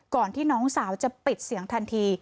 ที่น้องสาวจะปิดเสียงทันที